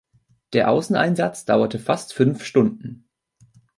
Der Außeneinsatz dauerte fast fünf Stunden.